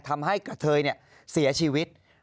ทำให้กะเทยเนี่ยเสียชีวิต